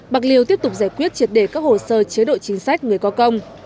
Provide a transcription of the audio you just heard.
bạc liêu tiếp tục giải quyết triệt đề các hồ sơ chế độ chính sách người có công